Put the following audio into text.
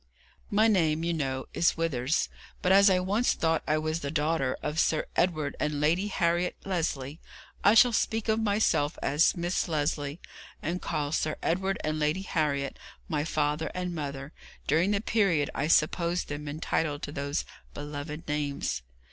My name, you know, is Withers; but as I once thought I was the daughter of Sir Edward and Lady Harriet Lesley, I shall speak of myself as Miss Lesley, and call Sir Edward and Lady Harriet my father and mother during the period I supposed them entitled to those beloved names.